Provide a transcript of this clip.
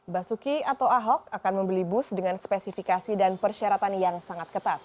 basuki atau ahok akan membeli bus dengan spesifikasi dan persyaratan yang sangat ketat